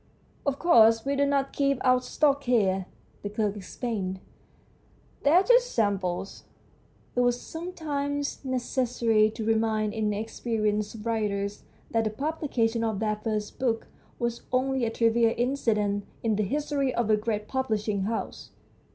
" Of course, we do not keep our stock here," the clerk explained. " These are just samples." It was sometimes necessary to remind inexperienced writers that the publication of their first book was only a trivial incident in the history of a great publishing house.